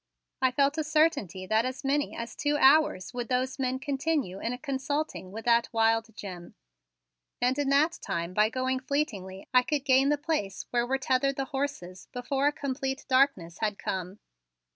I felt a certainty that as many as two hours would those men continue in a consulting with that wild Jim and in that time by going fleetingly I could gain the place where were tethered the horses, before a complete darkness had come.